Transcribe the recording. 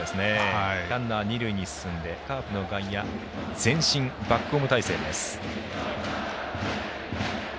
ランナー、二塁に進んでカープの外野前進バックホーム態勢です。